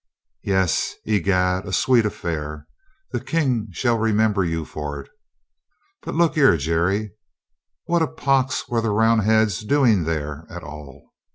"Yes, i'gad, a sweet affair. The King shall remember you for it. But look 'e, Jerry, what a pox were the Roundheads doing there at all?